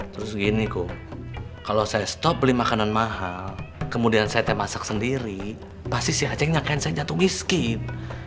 terus gini kok kalau saya stop beli makanan mahal kemudian saya masak sendiri pasti si aceh nya kan saya jatuh miskin